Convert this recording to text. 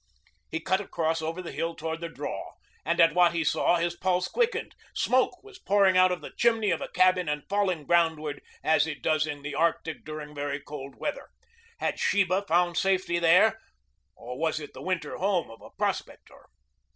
He cut across over the hill toward the draw, and at what he saw his pulse quickened. Smoke was pouring out of the chimney of a cabin and falling groundward, as it does in the Arctic during very cold weather. Had Sheba found safety there? Or was it the winter home of a prospector?